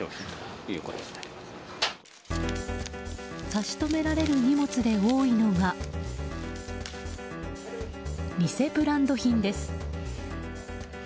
差し止められる荷物で多いのが偽ブランド品です。